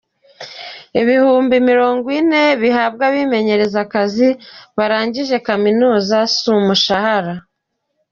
Ibihumbi mirongo ine bihabwa abimenyereza akazi barangije kaminuza si umushahara